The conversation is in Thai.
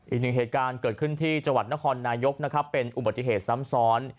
อีกหนึ่งเหตุการณ์เกิดขึ้นที่จังหวัดนครนายกนะครับเป็นอุบัติเหตุซ้ำซ้อน